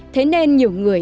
thế nên nhiều người